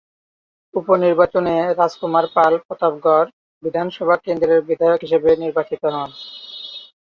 উপনির্বাচনে রাজকুমার পাল প্রতাপগড় বিধানসভা কেন্দ্রের বিধায়ক হিসেবে নির্বাচিত হন।